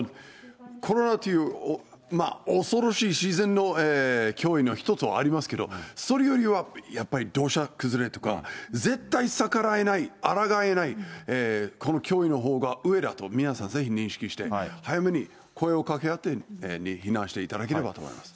コロナという恐ろしい自然の脅威の一つもありますけど、それよりはやっぱり土砂崩れとか、絶対逆らえない、抗えないこの脅威のほうが上だと、皆さん、ぜひ認識して、早めに声をかけ合って避難していただければと思います。